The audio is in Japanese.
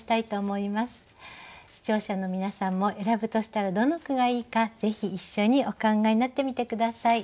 視聴者の皆さんも選ぶとしたらどの句がいいかぜひ一緒にお考えになってみて下さい。